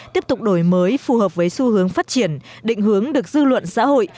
tiếp tục đổi mới phù hợp với xu hướng phát triển định hướng được dư luận xã hội